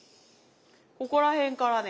ここら辺からね